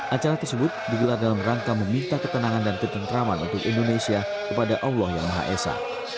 acara tersebut digelar dalam rangka meminta ketenangan dan ketentraman untuk indonesia kepada allah yang maha esa